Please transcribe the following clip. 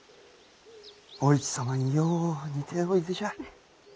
お市様によう似ておいでじゃ。